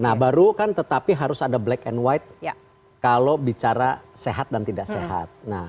nah baru kan tetapi harus ada black and white kalau bicara sehat dan tidak sehat